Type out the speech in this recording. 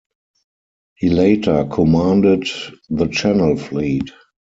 He later commanded the Channel Fleet.